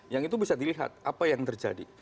yang itu bisa dilihat apa yang terjadi